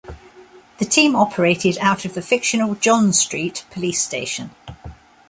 The team operated out of the fictional John Street police station.